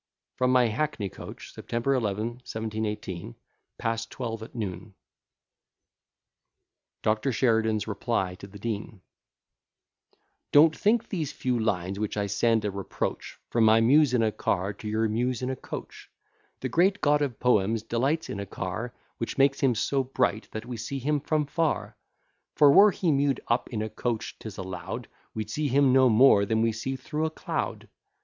From my hackney coach, Sept. 11, 1718, past 12 at noon. [Footnote 1: A damsel, i.e., Adam's Hell. H. Vir Gin. Dublin Edition.] DR. SHERIDAN'S REPLY TO THE DEAN Don't think these few lines which I send, a reproach, From my Muse in a car, to your Muse in a coach. The great god of poems delights in a car, Which makes him so bright that we see him from far; For, were he mew'd up in a coach, 'tis allow'd We'd see him no more than we see through a cloud.